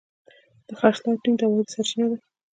د خرڅلاو ټیم د عوایدو سرچینه ده.